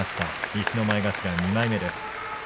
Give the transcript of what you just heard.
西の前頭２枚目です。